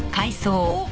おっ。